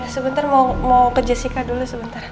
sebentar mau ke jessica dulu sebentar